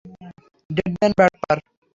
Dead man বাটপার!